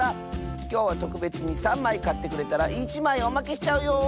きょうはとくべつに３まいかってくれたら１まいおまけしちゃうよ！